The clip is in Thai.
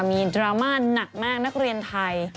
มีดรามานากมากทุกนักเรียนแทย